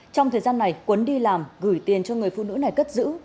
trong thời gian này quấn đi làm gửi tiền cho người phụ nữ này cất giữ